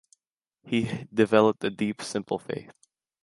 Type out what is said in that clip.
He developed a deep, simple faith.